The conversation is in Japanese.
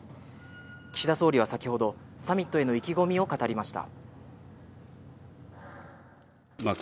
岸田総理は先ほどサミットへの意気込みを語りました。